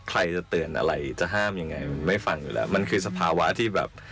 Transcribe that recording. ใครจะเตือนอะไรจะห้ามยังไง